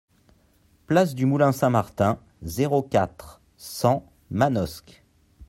Place du Moulin Saint-Martin, zéro quatre, cent Manosque